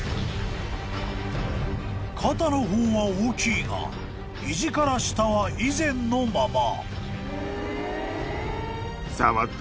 ［肩の方は大きいが肘から下は以前のまま］